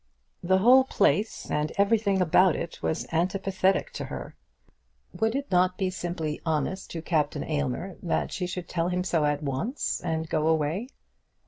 The whole place and everything about it was antipathetic to her. Would it not be simply honest to Captain Aylmer that she should tell him so at once, and go away?